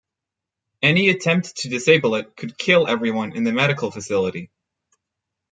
Any attempt to disable it could kill everyone in the medical facility.